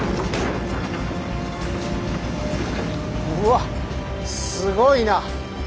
うわっすごいな。